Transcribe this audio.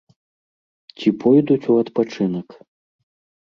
Ці пойдуць у адпачынак.